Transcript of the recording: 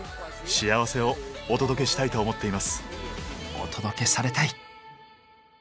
お届けされたい！